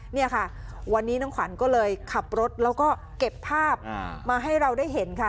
เนี่ยค่ะวันนี้น้องขวัญก็เลยขับรถแล้วก็เก็บภาพมาให้เราได้เห็นค่ะ